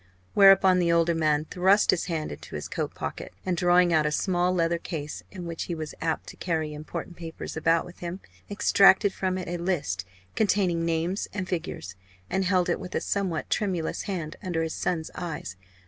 Whereupon the older man thrust his hand into his coat pocket, and drawing out a small leather case, in which he was apt to carry important papers about with him, extracted from it a list containing names and figures, and held it with a somewhat tremulous hand under his son's eyes.